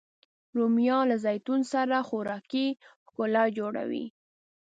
رومیان له زیتون سره خوراکي ښکلا جوړوي